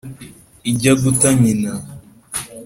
ijya guta nyina